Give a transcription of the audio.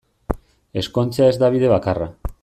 Ezkontzea ez da bide bakarra.